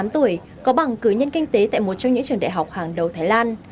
ba mươi tám tuổi có bằng cưới nhân kinh tế tại một trong những trường đại học hàng đầu thái lan